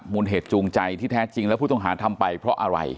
เหตุจูงใจที่แท้จริงแล้วผู้ต้องหาทำไปเพราะอะไร